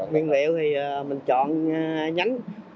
nguyên liệu thì mình chọn nhánh